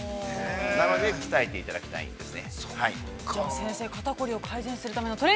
なので、鍛えていただきたいんですね。